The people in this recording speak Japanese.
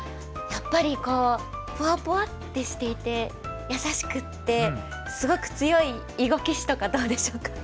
やっぱりこうポワポワってしていて優しくってすごく強い囲碁棋士とかどうでしょうか？